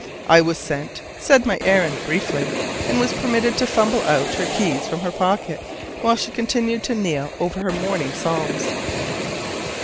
I was sent, said my errand briefly, and was permitted to fumble out her keys from her pocket while she continued to kneel over her morning psalms.